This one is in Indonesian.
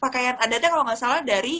pakaian adanya kalau tidak salah dari